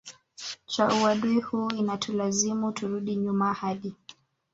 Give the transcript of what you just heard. cha uadui huu inatulazimu turudi nyuma hadi